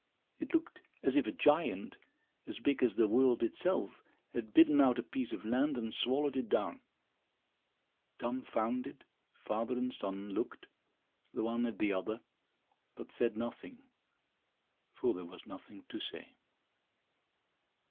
It looked as if a giant, as big as the world itself, had bitten out a piece of land and swallowed it down. Dumbfounded, father and son looked, the one at the other, but said nothing, for there was nothing to say.